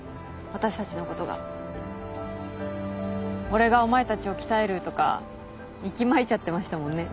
「俺がお前たちを鍛える」とか息巻いちゃってましたもんね。